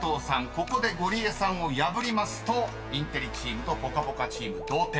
ここでゴリエさんを破りますとインテリチームとぽかぽかチーム同点。